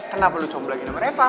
kenapa lu jomblo lagi sama reva